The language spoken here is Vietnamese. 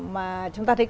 mà chúng ta thấy